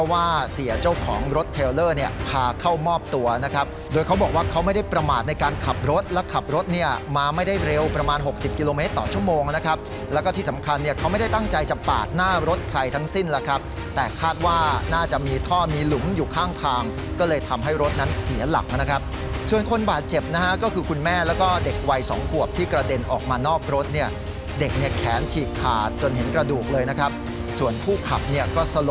ว่าเสียเจ้าของรถเทอร์เลอร์เนี่ยพาเข้ามอบตัวนะครับโดยเขาบอกว่าเขาไม่ได้ประมาทในการขับรถและขับรถเนี่ยมาไม่ได้เร็วประมาณหกสิบกิโลเมตรต่อชั่วโมงนะครับแล้วก็ที่สำคัญเนี่ยเขาไม่ได้ตั้งใจจะปาดหน้ารถใครทั้งสิ้นละครับแต่คาดว่าน่าจะมีท่อมีหลุมอยู่ข้างทางก็เลยทำให้รถนั้นเสียหลักนะคร